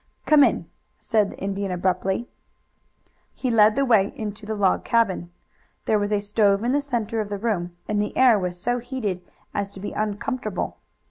"Come in," said the Indian abruptly. He led the way into the log cabin. There was a stove in the center of the room, and the air was so heated as to be uncomfortable.